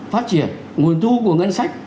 phát triển nguồn thu của ngân sách